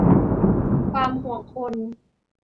ความหวงคน